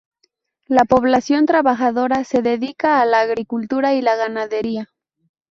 La población trabajadora, se dedica a la agricultura y la ganadería.